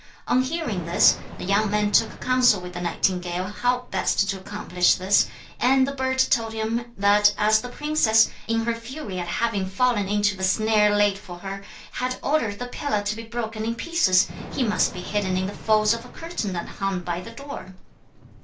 On hearing this, the young man took counsel with the nightingale how best to accomplish this, and the bird told him that as the princess, in her fury at having fallen into the snare laid for her, had ordered the pillar to be broken in pieces, he must be hidden in the folds of a curtain that hung by the door.